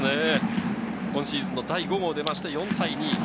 今シーズンの第５号が出て４対２。